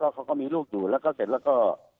เขาก็มีลูกอยู่แล้วก็เสร็จแล้วก็